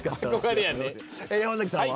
山さんは？